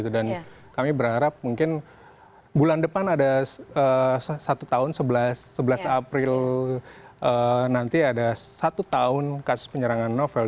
dan kami berharap mungkin bulan depan ada satu tahun sebelas april nanti ada satu tahun kasus penyerangan novel